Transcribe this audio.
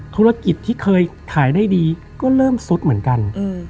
ธุรกิจที่เคยขายได้ดีก็เริ่มซุดเหมือนกัน